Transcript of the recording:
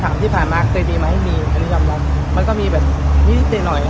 เหมือนที่ผ่านมาร์คเตรียมให้มีมันก็มีแบบนิดนิดเดียวหน่อย